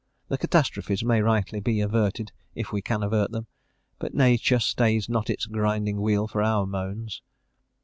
The catastrophes may rightly be averted, if we can avert them; but nature stays not its grinding wheel for our moans.